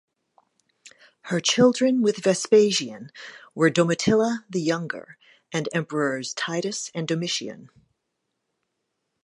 Her children with Vespasian were Domitilla the Younger and Emperors Titus and Domitian.